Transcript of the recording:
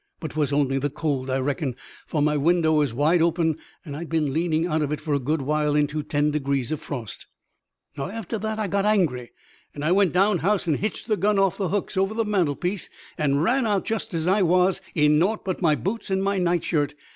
But 'twas only the cold, I reckon, for my window was wide open, and I'd been leaning out of it for a good while into ten degrees of frost. "After that, I got angry, and went down house and hitched the gun off the hooks over the mantelpiece, and ran out, just as I was, in nought but my boots and my nightshirt.